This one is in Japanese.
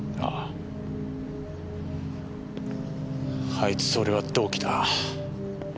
あいつと俺は同期だ。